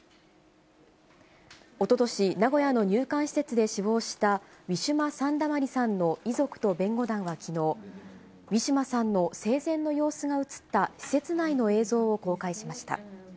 おととし、名古屋の入管施設で死亡した、ウィシュマ・サンダマリさんの遺族と弁護団はきのう、ウィシュマさんの生前の様子が写った施設内の映像を公開しました。